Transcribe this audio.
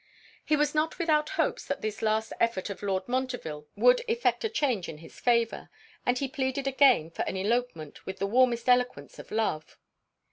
He was not without hopes that this last effort of Lord Montreville would effect a change in his favour; and he pleaded again for an elopement with the warmest eloquence of love.